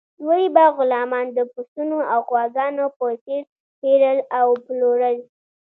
دوی به غلامان د پسونو او غواګانو په څیر پیرل او پلورل.